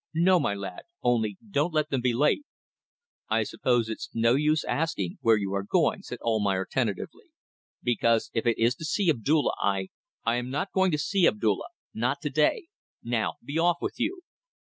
"No, my lad. Only don't let them be late." "I suppose it's no use asking you where you are going," said Almayer, tentatively. "Because if it is to see Abdulla, I ..." "I am not going to see Abdulla. Not to day. Now be off with you."